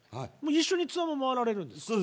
一緒にツアーも回られるんですか？